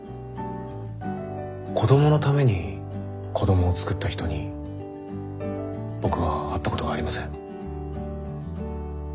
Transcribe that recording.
子どものために子どもを作った人に僕は会ったことがありません。